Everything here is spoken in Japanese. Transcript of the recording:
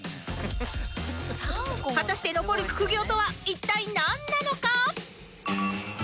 果たして残る副業とは一体なんなのか？